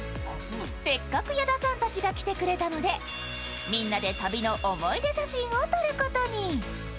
せっかく矢田さんたちが来てくれたのでみんなで旅の思い出写真を撮ることに。